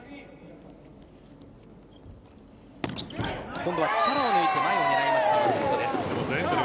今度は力を抜いて前を狙いました、舛本。